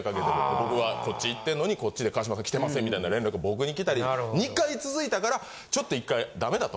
僕はこっち行ってんのにこっちで川島さん来てませんみたいな連絡僕に来たり。２回続いたからちょっと一回ダメだと。